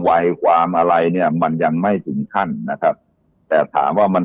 วัยความอะไรเนี่ยมันยังไม่ถึงขั้นนะครับแต่ถามว่ามัน